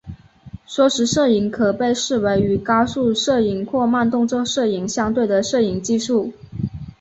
缩时摄影可被视为与高速摄影或慢动作摄影相对的摄影技术。